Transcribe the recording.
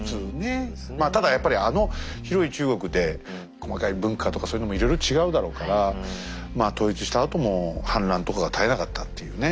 まあただやっぱりあの広い中国で細かい文化とかそういうのもいろいろ違うだろうから統一したあとも反乱とかが絶えなかったっていうね。